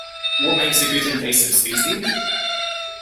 What makes a good invasive species?